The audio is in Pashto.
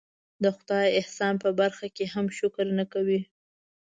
د خدای د احسان په برخه کې هم شکر نه کوي.